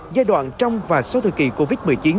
giai đoạn trong và sau thời kỳ covid một mươi chín